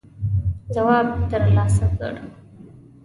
ځواب تر لاسه کړ.